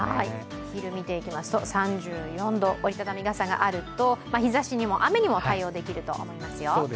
お昼を見ていきますと３４度、折り畳み傘があると日ざしにも雨にも対応できると思いますよ。